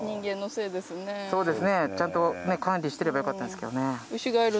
そうですねちゃんと管理してればよかったんですけどね。